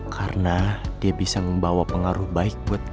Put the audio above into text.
karena dia bisa membawa pengaruh baik buat pangeran